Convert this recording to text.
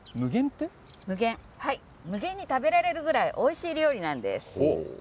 無限、無限に食べられるぐらいおいしい料理なんです。